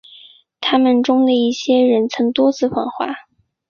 他们中的一些人曾多次访华。